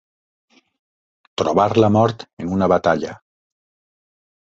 Trobar la mort en una batalla.